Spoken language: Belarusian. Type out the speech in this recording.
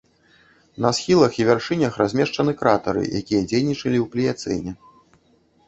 На схілах і вяршынях размешчаны кратары, якія дзейнічалі ў пліяцэне.